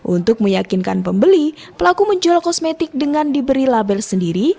untuk meyakinkan pembeli pelaku menjual kosmetik dengan diberi label sendiri